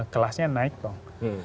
kelasnya naik dong